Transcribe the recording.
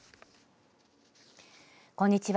こんにちは。